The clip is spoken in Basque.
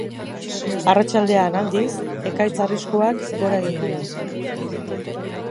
Arratsaldean, aldiz, ekaitz arriskuak gora egingo du.